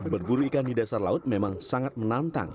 berburu ikan di dasar laut memang sangat menantang